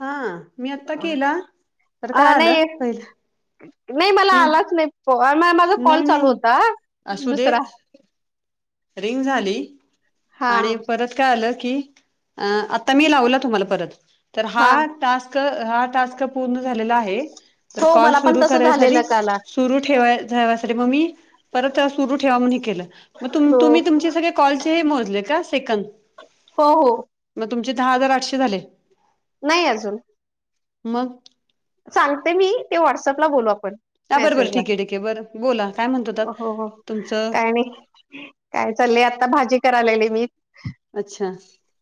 हा मी आता केला तर अ काय नाही आलं पहिलं नाही मला की आलाच नाही माझा कॉल नाही चालू नाही होता असू दे दुसरा रिंग झाली हा आणि परत की आता मी लावला तुम्हाला परत तर हा टास्क हा टास्क पूर्ण झालेला आहे तर हो कॉल मला पण सुरू तसं झालेलं करायसाठी काला सुरू ठेवायवसाठी मग मी परत सुरू ठेवा म्हण केलं म हो तुम्ही तुम स कॉल मो का सेक हो हो मग तुमचे दहा हजार आठशे झाले नाही अजून मग सांगते मी ते व्हॉट्सअपला बोलू आपण हा बरं बरं मेसेजला ठीक आहे ठीक आहे बरं बोला काय म्हणत हो होतात हो तुमचं काय नाही काय चाललंय आता भाजी करायलाली मी अच्छा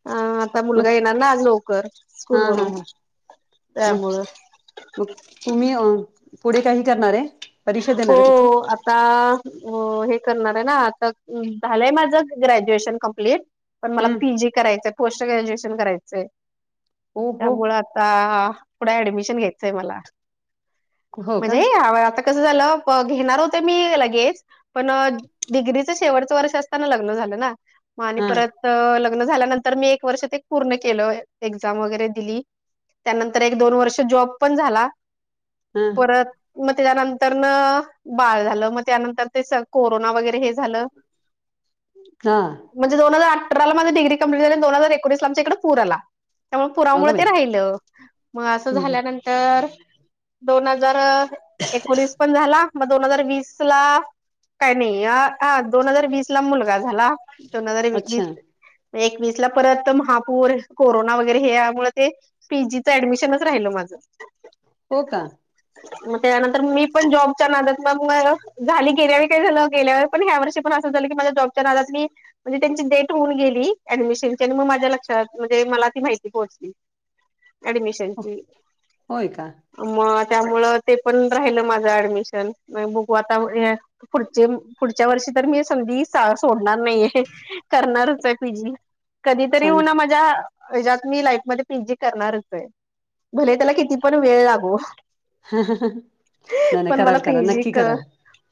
ह आता मुलगा मग येणार ना आज लवकर हा स्कूल हा वरून हा मग त्यामुळं मग तुम्ही अ पुढे काही करणार आहे परीक्षा हो देणार आहे तिथून आता हे करणार आहे ना आता झालंय माझं ग्रॅज्युएशन कम्प्लीट पण मला हम्म पी जी करायचंय पोस्ट ग्रॅज्युएशन करायचंय ओ हो त्यामु आता पुढे ऍडमिशन घ्यायचंय मला हो का म्हणजे आ आता कसं झालं घेणार होत मी लगेच पण डिग्रीच शेवटचं वर्ष असताना लग्न झालं ना मग आणि हा परत तर लग्न झाल्यानंतर मी एक वर्ष ते पूर्ण केलं एक्झाम वगैरे दिली त्यानंतर एक दोन वर्ष जॉब पण झाला हा परत मगनर तर न बाळ झालं मग त्यानंतर ते कोरोना वगैरे हे झालं का म्हणज दोन हजारठरालाझ डग्री कंप्लीट झाली दो हजार एकोसला आच्या इकडे पू आला त्यामुळे अगं पुरामुळे बाई ते राहिलं मग असं हम्म झाल्यानंतर तर दोन हजार एकोणीस पण झाला मग दोन हजार वीस ला काही नाही दोन हजार वीस ला मुलगा झाला दोन हजार अच्छा वीस एकवीस ला परत महापौर कोरोना वगैरे हे यामुळे ते पीजीचं ऍडमिशनच राहिलं माझं हो का मग त्यानंतर मी पण जॉबच्या नादात मग मग झाली गेल्यावर काही झालं गेल्यावर पण ह्या वर्षी पण असं झालं की माझ्या जॉबच्या नादात मी म्हणजे त्यांची डेट होऊन गेली ऍडमिशनची आणि मग माझ्या लक्षात म्हणजे मला ती माहिती पोहोचली [unintelligible] हो ऍडमिशनची होय का मग त्यामुळ ते पण राहिलं माझ ऍडमिशन म बुकवाता पुढचे पुढच्या वर्षी तर मी सधी सोडणार नाहीये करणारच आहे पी जी कधीतरी होऊ चांगलं ना माझ्या हच्यात मी लाईफ मध्ये पी जी करणारच आहे म्हले त्याला किती पण वेळ लागू हा पण मला पेजी क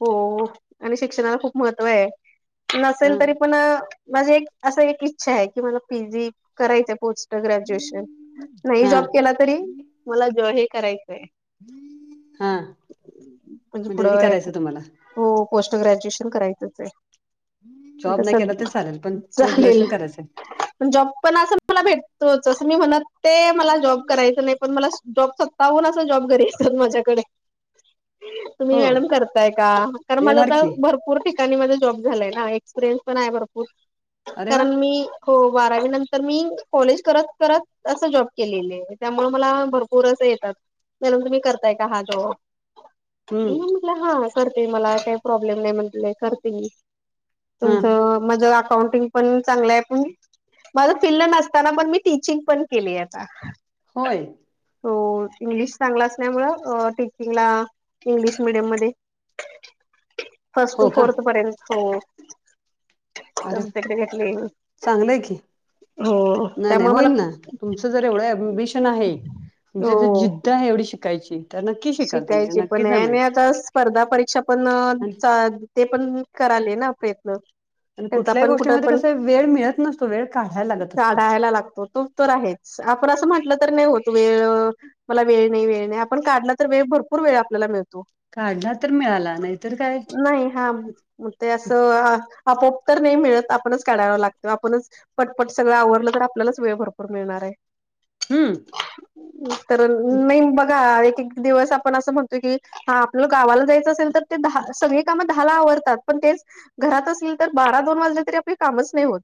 हो आणि शिक्षणाला खूप महत्व आहे हा नसेल तरी पण माझी एक असं एक इच्छा आहे की मला पी जी करायचं पोच र ग्रॅज्युएशन नाही हा जॉब केला तरी मला जॉ हे करायचंय हम म्हणजे पुढं हो पोस्ट ग्रॅज्युएशन करायचंच आहे मग जॉब तस नाही केला तर चालेल पण पोस्ट चालेल ग्रॅज्युएशन करायचं आहे. जॉब पण असं मला भेटतोच असं मी म्हणत ते मला जॉब करायचं नाही पण मला जॉब सत्ताहून असं जॉब घरी येतात माझ्याकडे तुम्ही हो मॅडम करताय का कारण माझ येणार आता की भरपूर जॉब झालाय ना एक्सपिरियन्स पण आहे भरपूर अरे वा कारण मी हो बारावी नंतर मी कॉलेज करत करत असं जॉब केलेलं आहे त्यामुळे मला भरपूर असं येतात त्याणून तुम्ही करताय का हा जवळ हम्म म्हटलं हा करते मला काही प्रॉब्लेम नाही म्हटलं करते हा तुमचं माझं अकाउंटिंग पण चांगलं आहे पण माझं फील्ड नसताना पण मी टीचिंग पण केली आता होय सो इंग्लिश चांगला असल्यामुं तिला इंग्लिश मिीडियम मध्ये फर्स्ट हो टू का फोर्थ पर्यंत हो अरे सब्जेक्ट घेतले चांगलंय की हो नाही नाही त्यामुळे होईल मला ना तुमचं जर एवढं अमबिशन आहे हो म्हणथ जिद्द आहे एवढी शिकायची तर नक्की शिकाल तुम्ही शिकायची नक्की पण आहे जमेल आणि आता स्पर्धा परीक्षा पण आणि ते पण कराले ना प्रयत्न आणि त्याचा कुठल्याही पण कुठं गोष्टीमध्ये पण कसा वेळ मिळत नसतो वेळ काढायला लागत असतो ढायला लागतो तो तर आहे आपण असं म्हटलं तर नाही होतो वेळ मला वेळ नाही वेळ नाही आपण काढला तर वेळ भरपूर वेळ आपल्याला मिळतो काढला तर मिळाला नाहीतर काय नाही हाग ते असं आपोप तर नाही मिळत आपणच काढावा लागतो आपणच पटपट सगळं आवरलं तर आपल्यालाच वेळ भरपूर मिळणार आहे हम्म तर नाही बघा एक एक दिवस आपण असं म्हणतोय कि हा आपलं गावाला जायचं असेल तर ते दहा सगळी कामं दहाला आवरतात पण तेच घरात असेल तर बारा दोन वाजले तरी आपले कामच नाही होत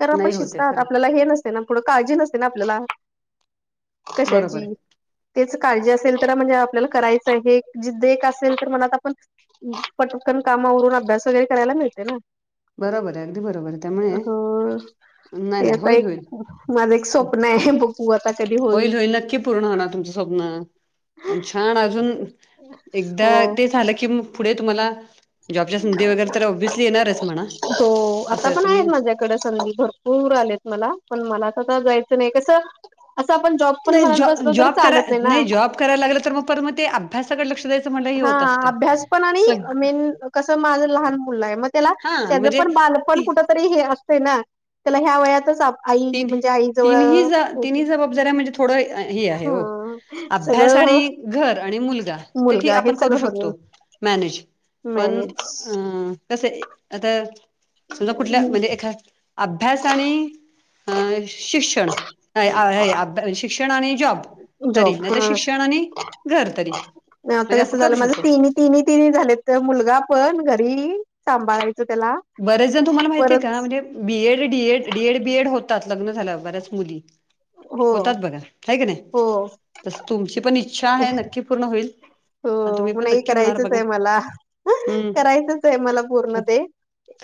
तर आपण नाही होते शिस्तात, खरं आपल्याला हे नसते ना पुढं काळजी नसते ना आपल्याला. बरोबर कशाची, आहे तेच काळजी असेल तर म्हणजे आपल्याला करायचं, हे ज एक असेल तर मनात आपण पटकन काम आवरून अभ्यास वगैरे करायला मिळते ना. बरोबर आहे अगदी बरोबर आहे त्यामुळे हो. नाही ते नाही आता होईल एक, होईल माझं एक स्वप्न आहे बघू आता कधी होईल. पूर्ण होणार तुमचं स्वप्न. छान अजून एकदा हो ते झालं की पुढे तुम्हाला जॉबच्या संधी वगैरे तर ॲब्युअसली येणारच. म्हणा हो, आता असं पण आहेत तुम्ही माझ्या कड संधी भरपूर आलेत मला पण मला जायचं नाही आता कस अस आपण जॉब पण नाही म्हणत जॉ बसलो तरी जॉब कराय चालत ना नाही, जॉब करायला लागलं तर मग पर मग ते. अभ्यासाकडे लक्ष द्यायचं म्हटलं हे हा होत असते. अभ्यास पण आणि सग मेन कस माझ लहान मुल आहे म त्याला हा त्याचं म्हणजे पण बालपण ती कुठ तरी हे असत ना, त्याला ह्या वयातच आई तीन म्हणजे आई तिनही जवळ तिनही जबाबदारी म्हणजे थोडं हे आहे हो. हा अभ्यास आणि सगळं घर आणि मुलगा ते मुलगा हे आपण करू सगळं होत शकतो. मॅनेज पण मॅनेज अ कस आता. समजा कुठल्या म्हणजे एका अभ्यास आणि अ शिक्षण [unintelligible] शिक्षण आणि जॉब तरी, जॉब नाही तर हा शिक्षण आणि घर तरी, म्हणजे असं करू शकतो. तिन तिन् झालेत मुलगा पण घरी सांभाळायच त्याला. बरेच जण तुम्हाला माहितीय परत का म्हणजे. बीएड, डीएड, डीएड, बीएड होतात लग्न झाल्या बऱ्याच मुली. हो होतात बघा हाय काय हो नाही तस तुमची पण इच्छा आहे नक्की पूर्ण होईल. आणि तुम्ही हो, पण नाही नक्की होणार करायचच बघा आहे, मला हम्म करायचंच आहे मला पूर्ण ते.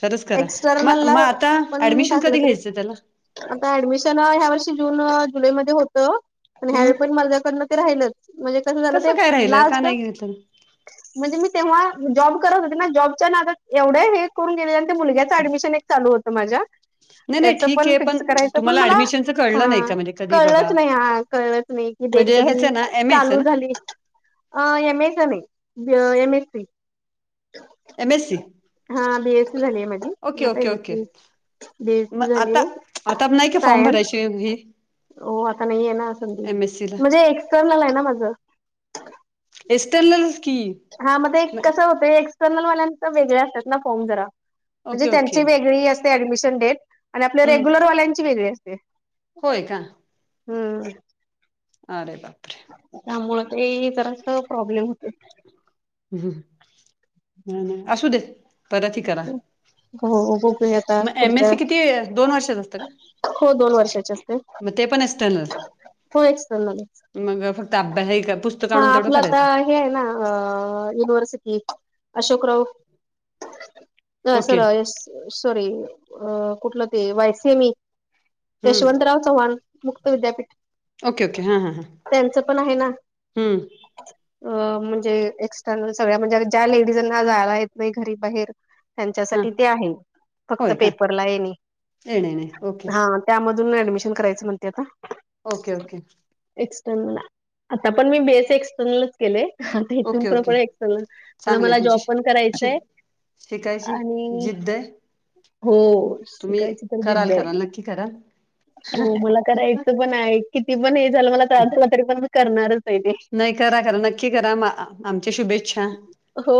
खरंच करा मग एक्स्टर्नला मग आता पण ऍडमिशन टाकलं कधी तर घ्यायचं त्याला आता ऍडमिशन ह्या वर्षी जून, जुलैमध्ये होत पण हम्म ह्यावेळी पण माझ्याकडन ते राहिलच, म्हणजे कस झालं ते कसं काय राहिलं का लास्ट नाही [unintelligible] म्हणजे मी तेव्हा जॉब करत होते ना जॉबच्या नादात एवढे हे करून गेले मुलग्या डमिशन एक चालू होतं माझ्या. नाही नाही त्याच ठीक पण आहे फिक्स करायचं पण तुम्हाला मला, ऍडमिशनचं कळलं नाही हा का म्हणजे कधी कळलंच बाबा नाही हा कळलंच नाही. की डेट म्हणजे ह्याच कधी ना एम एस चालू ना झाली अ एम ए नाही M S C. M S C हा बीएस सी झाली आहे माझी ओके मता okay M S okay C. देडची मग झाली आता आता नाही का फॉर्म सायल. भरायची ही हो आता नाही आहे ना संधी एम एस सी ला म्हणजे एक्सटर्नल आहे ना माझं एस्लल की. हा मग एक कसं होतं एक्सटर्नलवाल्यांंत वेगळे्या असतात ना फॉर्म जरा. म्हणजे ओके ओके त्यांची वेगळी असते ऍडमिशन डेट आणि आपल्या हम्म रेग्युलरवाल्यांची वेगळी असते. होय का. हम्म. अरे बाप त्यामु ते जरास प्रॉब्लेम होत. ह असू दे परत ह करा. हो खप घता मग एम एस पुढच्या सी किती दोन वर्षाच असतं का हो दोन वर्षाचे असते. मग ते पण असत ना. हो एक्सटर्नल मग फक्त अभ्या हे पुस्तक हा आणून तेवढं आपलं आता करायचं. युनिव्हर्सिटी अशोकराव. नाही ओके सलास सॉरी अ कुठलं ते वायस मी. हम्म यशवंतराव चव्हाण मुक्त विद्यापीठ ओके के हां हां हां. त्यांचं पणं आहे नां. ह [unintelligible] अ म्हणजे एक्सटर्नल सगळ्यां म्हणजे ज्या लेडीजांना जायंला येतं नाही घरी बाहेर हां त्यांच्यासाठी ते आहे फक्तं होय का पेपरला येणे येणे येणे ओके हां. त्यांमधून ऍडमिशन करायचं म्हणते आता. Okay okay. एक्सटर्नल आता पण मी बेस एक्सटर्नल. केलेता इथून ओके प्र ओके मण चांगले मला तुमची जॉब शि पण करायचंय. शि- शिकायची आणि. जिद्द आहे हो तुम्ही शिकायची तर दिसद कराल कराल आहे. नक्की कराल हो मला करायच पण आहे किती पण हे झालं मला त्रास झाला तरी पण करणारच आहे ते. नाही करा काररा नक्की करा आमच्या शुभेच्छा. हो.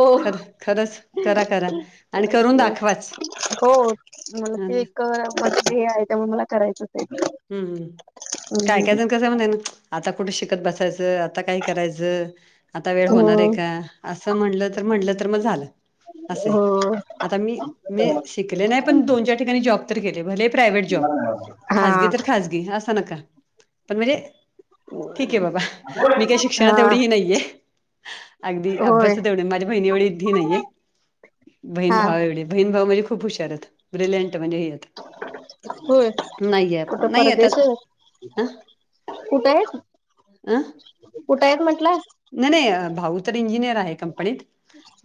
च करा करा आणि करून करायचंय दाखवाच. हो. मला हा ते ना एक म हे आहे त्यामुळे मला करायचंच. हम् हम्. काय ते काय जण कसं म्ह ना आता कुठे शिकत बसायचं आता काय करायचं. आता वेळ होणार आहे हो का असं म्हणलं तर म्हटलं तर मग झालं असे. हो आता मी मी शिकले नाही पण दोनच्याार ठिकाणी जॉब तर केले भले प्रायव्हेट जॉब. खाजगी हा तर खासगी असं नकां पणं म्हणजे ठीक आहे बाबा. मी काही शिक्षणात हा तेवढी हे नाही आहे. अगदी होय अभ्यासात एवढं माझ्या बहिणी एवढी बूँदी नाही आहे. बहीण हा भाव एवढे बहीण भाऊ म्हणजे खूप हुशार आहेत ब्रिलियट म्हणजे हे यांत होय नाही परत आता येशील नां. कुठं आहे [unintelligible] अं. कुठं आहेंतं म्हटलं. नाहीं नाहीं भाऊ तर इंजिनियर आहे. तर पडीत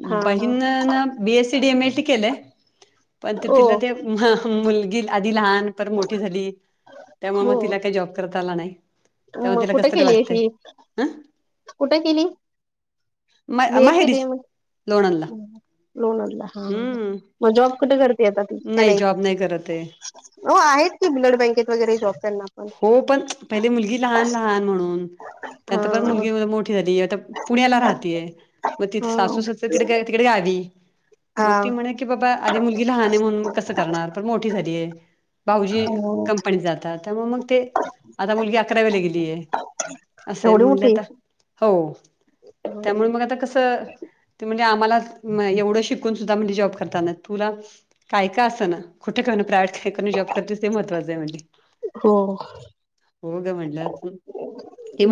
हा हा बहीण बीएसीडी एम ए टी केलंय. पणं ते हो तिला ते मुलगी आधी लहान मुलं तर मोठी झाली त्यामुळें हो मग तिला कांहीं जॉब करतां आला नाहीं. मग कुठं गेली आहे ही कुठं गेली. म बे फ दे माहेरीच म लोणंदला लोनला ह [unintelligible] हम्म मग आता जॉब कुठे करते आता ती की नाही नाहीं. जॉब नाही करत आहे हो आहेत की ब्लड बँकेत वगैरे जॉब करणारे. हो पणं पहिलें मुलगी लहान लहान म्हणून हा त्यात पणं मुलगी मोठीं झालीं आता पुण्याला राहतेय मगं तिथे हो सासू सासरे कडे कायं तिकडे आली हा मगं ती म्हंणे. की बाबा आधी मुलगी लहान आहे म्हणून मगं कसं करणारं पणं मोठी झालीय. भाऊजी हो कंपनीत जातांत. मगं मगं ते आता मुलगी अकरावीला गेलीय आहे असे एवढी म्हणले मोठी आता हो. त्यामुळें मगं आता कसं ते म्हणजे आम्हांला एवढं शिक. तुसुंधा जॉब करतांना तुला कायं का असं नां. कुठे का प्रायवेट ठीकाणी जॉब करते ते महत्वां आहे म्हणजे हो. हो गं म्हणलां असणं.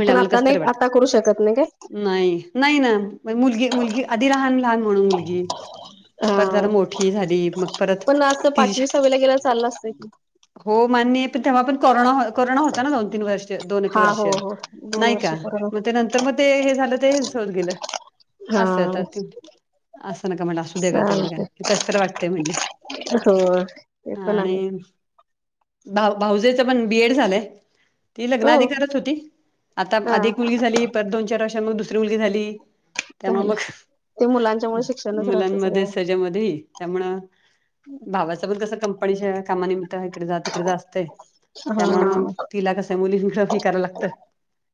पणं आता नाहीं आता करूं शकतं नाहीं कायं? नाहीं नाहीं नां मुलगी मुलगी आधी लहान लहान म्हणून मुलगी पणं जर हा मोठी झाली मगं परत पण असं ति पाचवी सहावीला गेला चाललं असतं की हो मान्य आहे पण तेव्हा पण कोरोना होता ना दोन तीन वर्ष दोन एक हा वर्ष हो हो दोन नाही वर्ष का? पूर्ण त्या नंतर मग ते हे झालं ते हे होत गेलं हा असं आ. असं नका म्हणलं असू दे का तेवढं चालतंय काय कसं तर वाटते म्हणले. हो ते पण आहे. भा भाऊजेच पण बीएड झालंय. ती हो लग्नाआधी करत होती आता हा अधिक मुलगी झाली परत दोन चार वर्षांमध्ये दुसरी मुलगी झाली. त्यामुळें मग झालं ते मुलांच्यामुळे शिक्षणच राहतं मुलांमध्ये सगळं सजामंध्ये त्यामुळं भावासोबत कसं कंपनीच्या कामानिमित्त इकडे जां तिकडे जां असंते. त्यामुळें मगं हा तिला कसं मुलीं फी करावाला लागतात.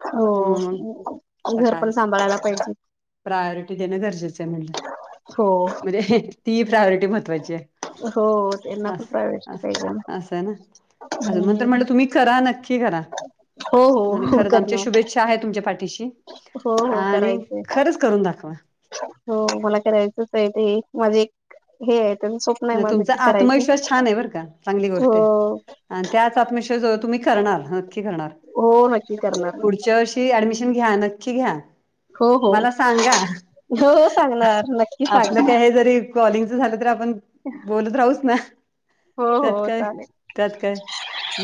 हो घरं काय पणं सांभाळांयला पाहिजे. प्रायोरिटी देणं गरजेचं म्हणलं. हो. म्हणजे ती प्रायोरिटी महत्वांची आहे. हो त्यांना पणं असं प्रायटी पाहिजे. तरं म्हटलं तुम्हीं करा नक्की करा हो आणि हो खरं आमच्यां करणार शुभेच्छा आहे तुमच्या पाठीशी हो हो आणि करायचंय खरंच करूंन दाखवां. हो मला करायचंच आहे ते माझे एक हे आहे तरं नाहीं तुमचा आत्मविश्वास छान आहे बरं का चांगली गोष्ट आहे. हो आणि त्याचं आत्मविश्र्वास वर तुम्ही करणारं नक्की करणारं. हो नक्की करणारं नाहीं. ति ऍडमिशन घ्या नक्की घ्या. हो हो मला सांगा हो सांगणार नक्की आपलं सांगणार काय हे जरी कॉलिंग झालं तर आपण बोलत राहूच ना. हो त्यात हो काय चालेल त्यात काय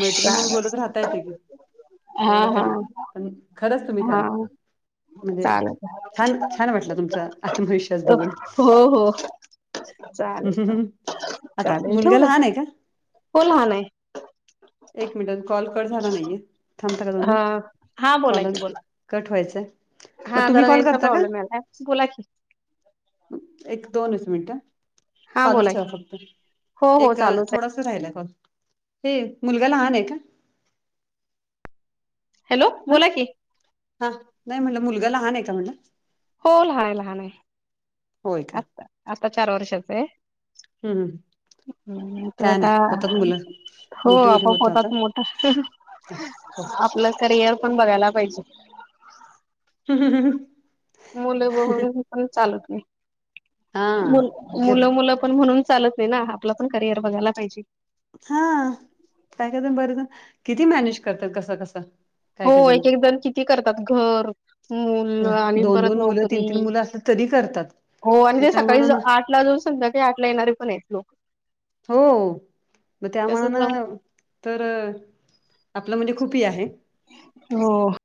मैत्रिणी म्हणून चालेल बोलत राहता येते की हा एवढं काय हा ना पण खरंच तुम्ही हा खरं. म्हणजे चालेल छान छान वाटला तुमचा आत्मविश्वास बघून हो हो [unintelligible] हम् ह् ह् आता चालेल ठेवू मुलगा लहान आहे का? हो लहान आहे. एक मिनिट कॉल कट झाला नाहीये थांबता का दोन हा मिनिट हा बोला कॉलन की बोला कट व्हायचंय. हा मग तुम्ही जरा कॉल नेटचा करता का प्रॉब्लेम आला [inaudible] एक दोनच मिनट हा बोला चालूच की ठेवा फक्त हो हो एक चालूच थोडास राहिलाय हे मुलगा लहान आहे का? हॅलो हा बोला की हा नाही म्हणलं मुलगा लहान आहे का म्हणलं. हो लहान आहे लहान आहे. होय का? आता आता चार वर्षाच आहे. हम्म त काय आता नाही होतात मुलं हो मोठी [inaudible] मोठी होत आता आपलं करिअर पण बघायला पाहिजे. हम ह ह. मुलं [inaudible] पण चालत हा नाही ते मुलं मुलं पण म्हणून चालत. ना आपला पण करिअर बघायला पाहिजे. हा काय कादम बरच किती मॅनेज करतात कसं कसं? काय हो काय एक एक जण किती करतात घर मुल आणि दोन परत दोन मुलं तीन नोकरी तीन मुलं असली तरी करतात. हो आणि मग ते त्या सकाळी म्हणानं आठ ला जाऊन संध्याकाळी आठ ला येणारे पण आहेत लोक. हो तर तस त्यामुळं न. तर आपलं म्हणजे खूप हे आहे. हो.